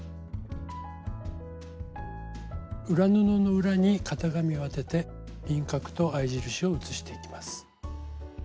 裏布の裏に型紙を当てて輪郭と合い印を写していきます。